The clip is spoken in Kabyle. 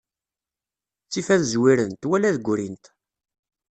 Ttif ad zwirent, wala ad grint.